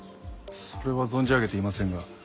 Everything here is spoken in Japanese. それは存じ上げていませんが。